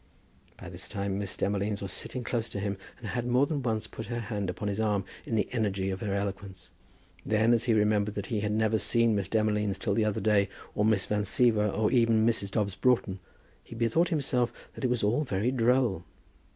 By this time Miss Demolines was sitting close to him, and had more than once put her hand upon his arm in the energy of her eloquence. Then as he remembered that he had never seen Miss Demolines till the other day, or Miss Van Siever, or even Mrs. Dobbs Broughton, he bethought himself that it was all very droll.